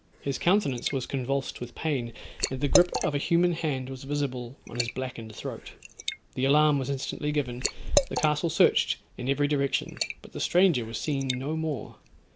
His countenance was convulsed with pain, and the grip of a human hand was visible on his blackened throat. The alarm was instantly given, the castle searched in every direction, but the stranger was seen no more.